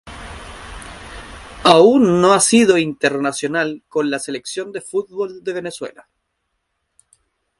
Aún no ha sido internacional con la Selección de fútbol de Venezuela.